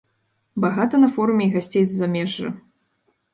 Багата на форуме і гасцей з замежжа.